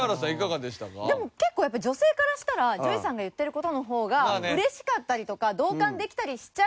でも結構やっぱ女性からしたらＪＯＹさんが言ってる事の方が嬉しかったりとか同感できたりしちゃうので。